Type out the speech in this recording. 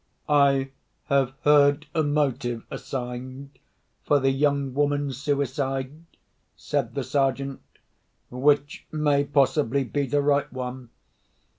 "I have heard a motive assigned for the young woman's suicide," said the Sergeant, "which may possibly be the right one.